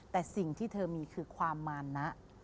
แต่สิ่งที่เธอมีคือความมารนะ